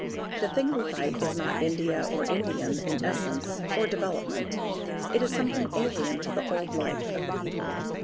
The thing we fight is not India or Indian, in essence or development. It is something alien to the old life of the people.